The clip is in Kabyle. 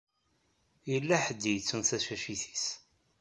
Yella ḥedd i yettun tacacit-is.